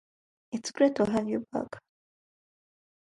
It is the second-smallest county in Virginia by total area.